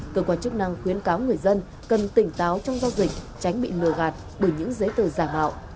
cơ quan chức năng khuyến cáo người dân cần tỉnh táo trong giao dịch tránh bị lừa gạt bởi những giấy tờ giả mạo